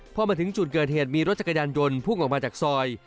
พอมาถึงจุดเกิดเหตุมีรถจักรยานยนต์พุ่งออกมาจากซอย